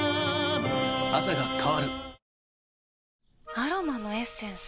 アロマのエッセンス？